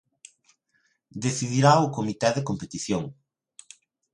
Decidirá o comité de competición.